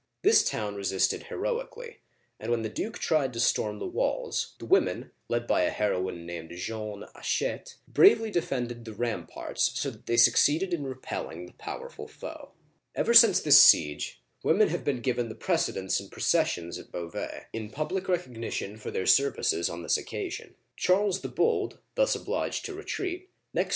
This town resisted heroically, and when the duke tried to storm the walls, the women, led by a heroine named Jeanne Hachette (zhan a shet'), bravely defended the ram parts, so that they succeeded in repelling the powerful foe. uigiTizea Dy vjiOOQlC 208 OLD FRANCE Ever since this siege, women have been given the prece dence in processions at Beauvais, in public recognition for their services on this occasion. Charles the Bold, thus Painting bi/ Maillart.